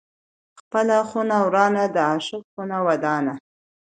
ـ خپله خونه ورانه، د عاشق خونه ودانه.